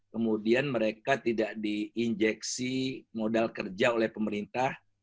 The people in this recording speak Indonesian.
kemudian mereka tidak diinjeksi modal kerja oleh pemerintah